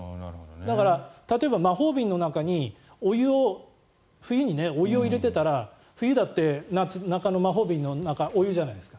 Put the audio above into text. だから、例えば魔法瓶の中に冬にお湯を入れていたら冬だって魔法瓶の中お湯じゃないですか。